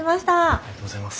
ありがとうございます。